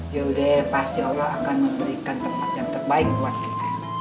yaudah pasti allah akan memberikan tempat yang terbaik buat kita